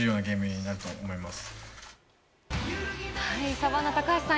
サバンナ高橋さん。